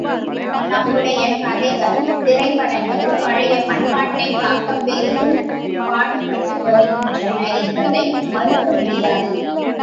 நம்முடைய கதைகள் திரைப்படங்கள் பழைய பண்பாட்டைக் காக்கப் பெரிதும் பாடுபட்டு வருகின்றன என்பதை மறுக்க முடியாது.